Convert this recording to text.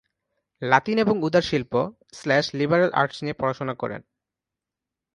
লাতিন এবং উদার শিল্প/লিবারাল আর্টস নিয়ে পড়াশুনা করেন।